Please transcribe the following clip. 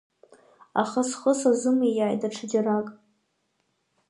Аха схы сзазымиааит даҽаџьарак.